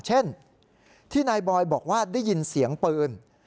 เช่นที่นายบอยบอกว่าได้ยินเสียงปืน